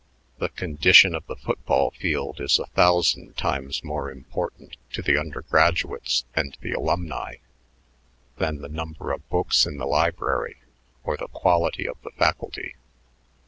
The condition of the football field is a thousand times more important to the undergraduates and the alumni than the number of books in the library or the quality of the faculty.